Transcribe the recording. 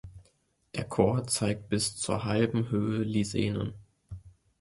Der Chor zeigt bis zur halben Höhe Lisenen.